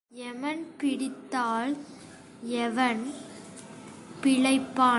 எமன் பிடித்தால் எவன் பிழைப்பான்?